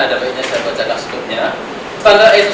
ada baiknya saya baca kasutnya